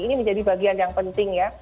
ini menjadi bagian yang penting ya